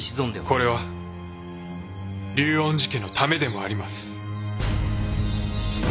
これは竜恩寺家のためでもあります。